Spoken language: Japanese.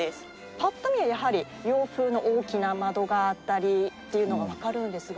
ぱっと見ではやはり洋風の大きな窓があったりっていうのがわかるんですが。